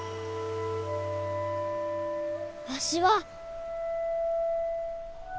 わしは。